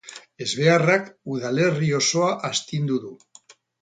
Ezbeharrak udalerri osoa astindu du.